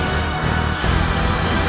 aku akan menang